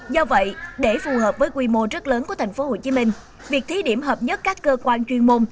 do vậy để phù hợp với quy mô rất lớn của tp hcm việc thí điểm hợp nhất các cơ quan chuyên môn